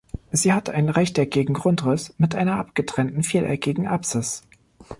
Sie hat einen rechteckigen Grundriss, mit einer abgetrennten vieleckigen Apsis.